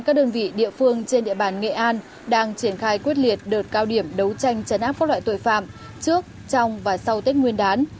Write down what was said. công an nghệ an đang triển khai quyết liệt đợt cao điểm đấu tranh chấn áp các loại tội phạm trước trong và sau tết nguyên đán